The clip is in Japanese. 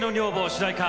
主題歌